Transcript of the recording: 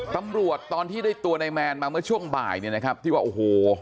ตอนที่ได้ตัวในแมนมาเมื่อช่วงบ่ายเนี่ยนะครับที่ว่าโอ้โห